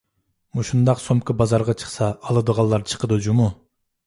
مۇشۇنداق سومكا بازارغا چىقسا ئالىدىغانلار چىقىدۇ جۇمۇ.